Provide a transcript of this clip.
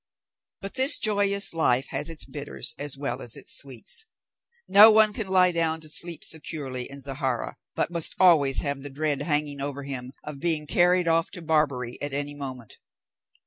But this joyous life has its bitters as well as its sweets. No one can lie down to sleep securely in Zahara, but must always have the dread hanging over him of being carried off to Barbary at any moment.